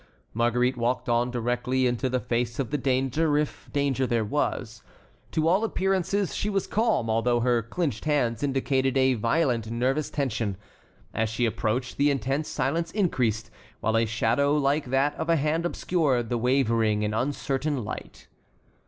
Marguerite walked on directly into the face of the danger if danger there was. To all appearances she was calm, although her clinched hands indicated a violent nervous tension. As she approached, the intense silence increased, while a shadow like that of a hand obscured the wavering and uncertain light.